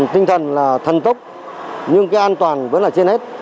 tinh thần là thần tốc nhưng cái an toàn vẫn là trên hết